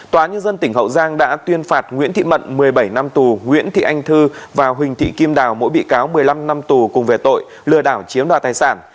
tòa nhân dân tỉnh hậu giang đã tuyên phạt nguyễn thị mận một mươi bảy năm tù nguyễn thị anh thư và huỳnh thị kim đào mỗi bị cáo một mươi năm năm tù cùng về tội lừa đảo chiếm đoạt tài sản